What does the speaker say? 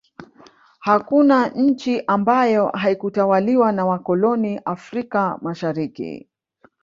hakuna nchi ambayo haikutawaliwa na wakoloni afrika mashariki